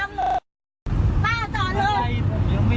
นี่ค่ะให้คนอย่างนี้ขึ้นมาได้ยังไง